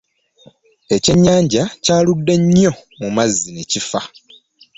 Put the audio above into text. Ekyenyanja kyaludde nnyo mu mazzi n'ekiffa